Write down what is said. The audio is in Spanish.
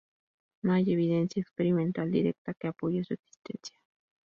No hay evidencia experimental directa que apoye su existencia.